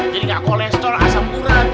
jadi gak kolesterol asam murah